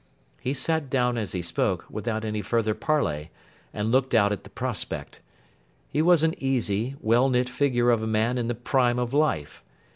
He sat down as he spoke, without any further parley, and looked out at the prospect. He was an easy, well knit figure of a man in the prime of life.